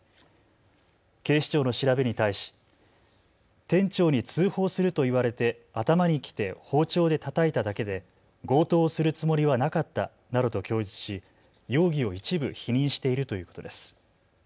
警視庁の調べに対し店長に通報すると言われて頭に来て包丁でたたいただけで強盗をするつもりはなかったなどと供述し容疑を一部否認しているということです。